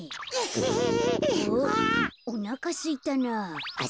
おなかすいたなあ。